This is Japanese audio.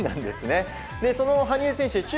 その羽生選手